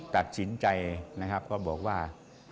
ตัดสินใจนะครับก็บอกว่า